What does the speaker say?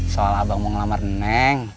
soal abang mau ngelamar reneng